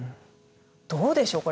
どうでしょう